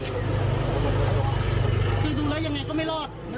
ไม่รอดเหรอ